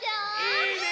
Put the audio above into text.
いいね！